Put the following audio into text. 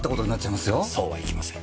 そうはいきません。